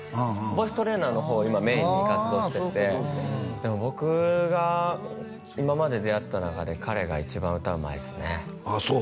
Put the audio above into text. ボイストレーナーのほう今メインに活動しててでも僕が今まで出会った中で彼が一番歌うまいっすねああそう？